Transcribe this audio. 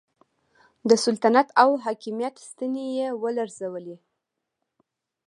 د سلطنت او حاکمیت ستنې یې ولړزولې.